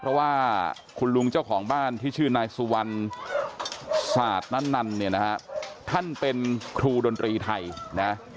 เพราะว่าคุณลุงเจ้าของบ้านที่ชื่อนายสุวรรณศาสตร์นั้นนันเนี่ยนะฮะท่านเป็นครูดนตรีไทยนะ